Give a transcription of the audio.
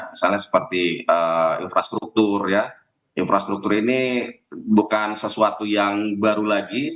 misalnya seperti infrastruktur ini bukan sesuatu yang baru lagi